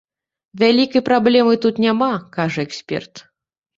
Вялікай праблемы тут няма, кажа эксперт.